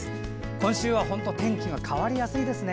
今週は本当天気が変わりやすいですね。